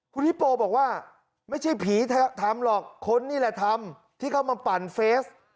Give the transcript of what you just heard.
คุณฮิโปบอกว่าไม่ใช่ผีทำหรอกคนนี่แหละทำที่เข้ามาปั่นเฟส